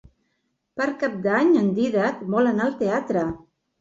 Per Cap d'Any en Dídac vol anar al teatre.